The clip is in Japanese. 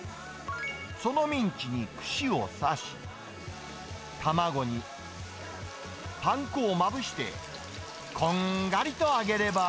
そのミンチに、串を刺し、卵にパン粉をまぶして、こんがりと揚げれば。